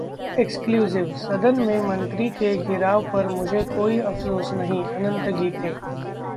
Exclusive: सदन में मंत्री के घेराव पर मुझे कोई अफसोस नहीं: अनंत गीते